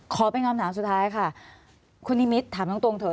ขอเป็นคำถามสุดท้ายค่ะคุณนิมิตรถามตรงเถอ